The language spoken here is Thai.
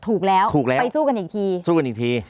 ถูกแล้วไปสู้กันอีกที